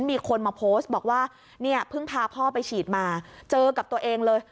มีคนมาโพสต์บอกว่าเนี่ยเพิ่งพาพ่อไปฉีดมาเจอกับตัวเองเลย